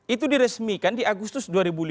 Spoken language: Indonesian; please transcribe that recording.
itu diresmikan di agustus dua ribu lima belas